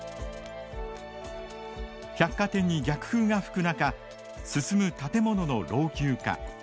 百貨店に逆風が吹く中進む建物の老朽化。